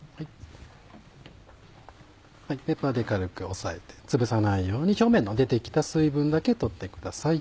ペーパーで軽く押さえてつぶさないように表面の出て来た水分だけ取ってください。